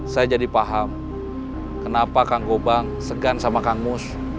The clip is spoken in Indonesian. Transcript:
saya jadi paham kenapa kang gobang segan sama kang mus